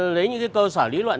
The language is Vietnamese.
lấy những cái cơ sở lý luận